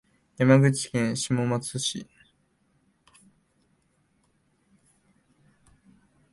山口県下松市